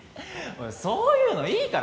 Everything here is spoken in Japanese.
そういうのいいから！